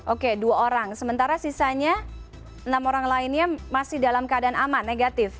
oke dua orang sementara sisanya enam orang lainnya masih dalam keadaan aman negatif